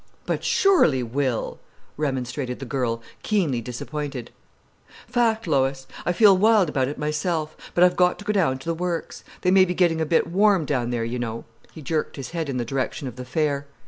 "But surely, Will!" remonstrated the girl, keenly disappointed. "Fact, Lois!—I feel wild about it myself. But I've got to go down to the works. They may be getting a bit warm down there, you know"—he jerked his head in the direction of the fair.